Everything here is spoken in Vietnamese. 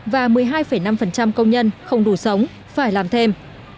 và một mươi hai năm công nhân không đủ sống phải làm thêm